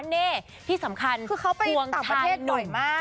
เน่ที่สำคัญภวงชายหนุ่ม